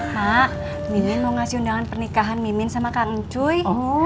mak mimin mau ngasih undangan pernikahan mimin sama kang cuy